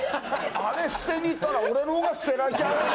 あれ捨てに行ったら俺のほうが捨てられちゃうよ。